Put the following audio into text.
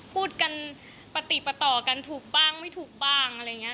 พูดกันปฏิปต่อกันถูกบ้างไม่ถูกบ้างอะไรอย่างนี้